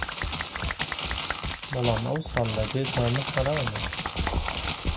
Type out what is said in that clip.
بەڵام ئەو ساڵ لە دێ دامە حەرامە